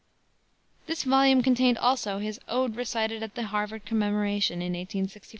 This volume contained also his Ode Recited at the Harvard Commemoration in 1865.